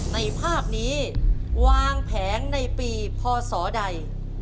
ในภาพนี้วางแผงในปีพศใด